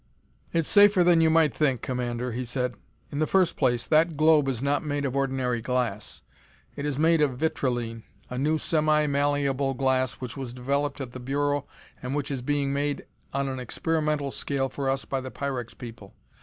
"It's safer than you might think, Commander," he said. "In the first place, that globe is not made of ordinary glass; it is made of vitrilene, a new semi malleable glass which was developed at the Bureau and which is being made on an experimental scale for us by the Pyrex people.